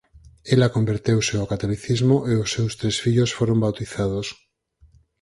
Ela converteuse ó catolicismo e os seus tres fillos foron bautizados.